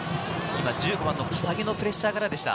１５番・笠置のプレッシャーからでした。